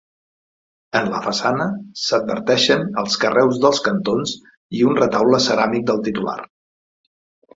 En la façana s'adverteixen els carreus dels cantons i un retaule ceràmic del titular.